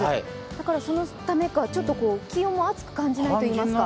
だからそのためか、ちょっと気温も高く感じないというか。